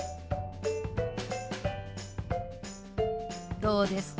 どうですか？